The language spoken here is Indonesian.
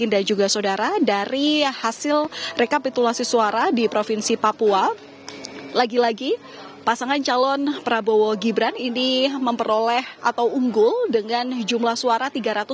dan juga saudara dari hasil rekapitulasi suara di provinsi papua lagi lagi pasangan calon prabowo gibran ini memperoleh atau unggul dengan jumlah suara tiga ratus tujuh puluh delapan sembilan ratus delapan